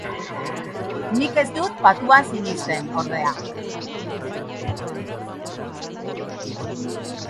Nik ez dut patuan sinisten, ordea.